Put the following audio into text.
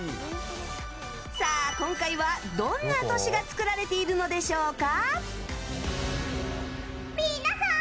さあ、今回はどんな都市が作られているのでしょうか。